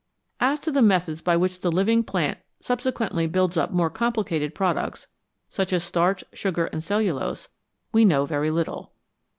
As to the methods by which the living plant subsequently builds up more complicated pro ducts, such as starch, sugar, and cellulose, we know very little.